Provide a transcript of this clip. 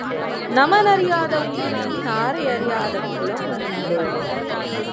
நமன் அறியாத உயிரும் நாரை அறியாத குளமும் உண்டோ?